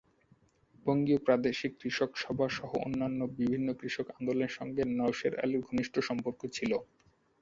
বঙ্গীয় প্রাদেশিক কৃষক সভা সহ অন্যান্য বিভিন্ন কৃষক আন্দোলনের সঙ্গে নওশের আলীর ঘনিষ্ট সম্পর্ক ছিল।